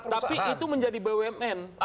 tapi itu menjadi bumn